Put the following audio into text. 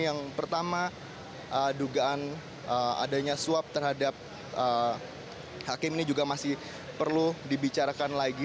yang pertama dugaan adanya suap terhadap hakim ini juga masih perlu dibicarakan lagi